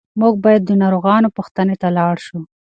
موږ باید د ناروغانو پوښتنې ته لاړ شو.